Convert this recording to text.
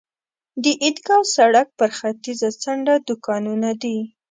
د عیدګاه سړک پر ختیځه څنډه دوکانونه دي.